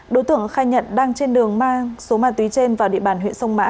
đối tượng khai nhận đang trên đường mang số ma túy trên vào địa bàn huyện sông mã